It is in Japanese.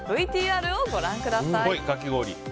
ＶＴＲをご覧ください。